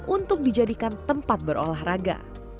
untuk dijadikan tempat berolahraga